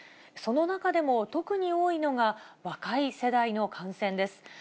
その中でも特に多いのが、若い世代の感染です。